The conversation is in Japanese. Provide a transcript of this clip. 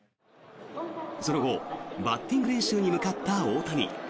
その後、バッティング練習に向かった大谷。